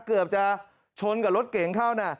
เกือบจะชนกับรถเก่งเข้านะ